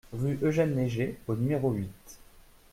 Rue Eugène Léger au numéro huit